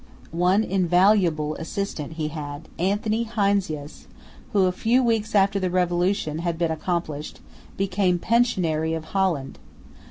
One invaluable assistant he had, Anthony Heinsius, who, a few weeks after the Revolution had been accomplished, became Pensionary of Holland.